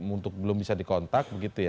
untuk belum bisa dikontak